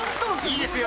良いですよ！